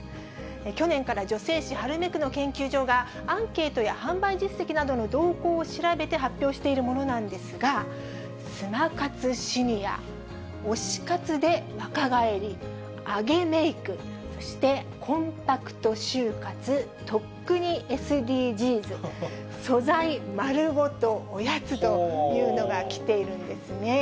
去年から女性誌、ハルメクの研究所がアンケートや販売実績などの動向を調べて発表しているものなんですが、スマ活シニア、推し活で若返り、アゲメーク、そしてコンパクト終活、とっくにＳＤＧｓ、素材丸ごとおやつというのがきているんですね。